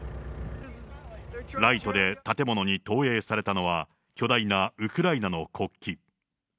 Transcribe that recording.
ライトで建物に投影されたのは、巨大なウクライナの国旗。